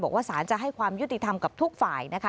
บอกว่าสารจะให้ความยุติธรรมกับทุกฝ่ายนะคะ